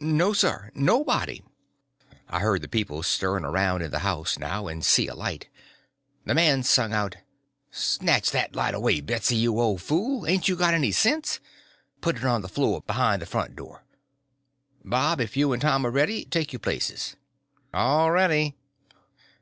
"No, sir, nobody." I heard the people stirring around in the house now, and see a light. The man sung out: "Snatch that light away, Betsy, you old fool—ain't you got any sense? Put it on the floor behind the front door. Bob, if you and Tom are ready, take your places." "All ready."